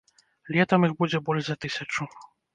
Летам іх будзе больш за тысячу.